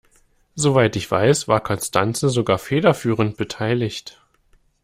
Soweit ich weiß, war Constanze sogar federführend beteiligt.